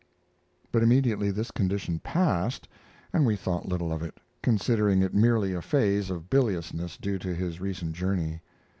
But immediately this condition passed, and we thought little of it, considering it merely a phase of biliousness due to his recent journey.